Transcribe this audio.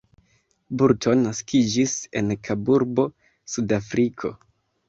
Burton naskiĝis en Kaburbo, Sudafriko.